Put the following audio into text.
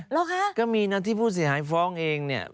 เหรอคะก็มีนะที่ผู้เสียหายฟ้องเองเนี่ย